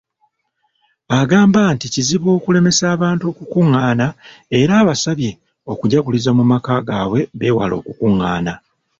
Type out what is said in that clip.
Agamba nti kizibu okulemesa abantu okukungaana era abasabye okujaguliza mu maka gaabwe beewale okukungaana.